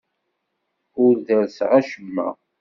Ur derrseɣ acemma.